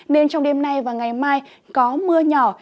nên trong đêm nay và ngày mai có mưa nhỏ